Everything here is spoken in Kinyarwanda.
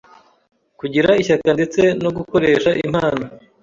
kugira ishyaka ndetse no gukoresha impano